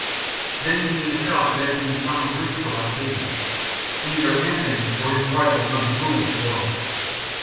Then came the shock of Antony's final breach with Octavian. Either Antony or his rival must rule the world.